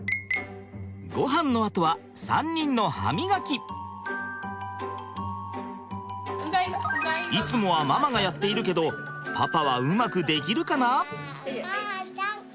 ごはんのあとは３人のいつもはママがやっているけどパパはうまくできるかな？